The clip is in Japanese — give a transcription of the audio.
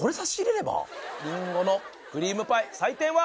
りんごのクリームパイ採点は？